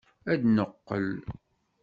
Ad neqqel!